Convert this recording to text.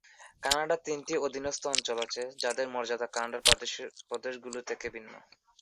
Canada তিনটি অধীনস্থ অঞ্চল আছে, যাদের মর্যাদা কানাডার প্রদেশগুলি থেকে ভিন্ন।